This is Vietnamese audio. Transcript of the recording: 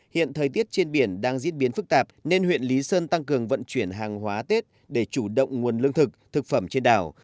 hiện thời tiết trên biển đang diễn biến phức tạp nên huyện lý sơn tăng cường vận chuyển hàng hóa tết để chủ động nguồn lương thực thực phẩm trên đảo